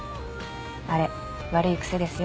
あれ悪い癖ですよ。